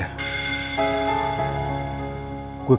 kok di mobil si roy